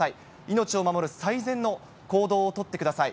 命を守る最善の行動を取ってください。